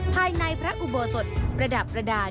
ภายในพระอุโบสถประดับประดาษ